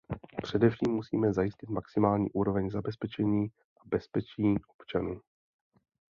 Především musíme zajistit maximální úroveň zabezpečení a bezpečí občanů.